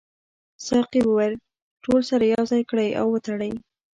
ساقي وویل ټول سره یو ځای کړئ او وتړئ.